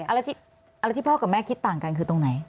อะไรที่พ่อกับแม่คิดต่างกันคือตรงไหน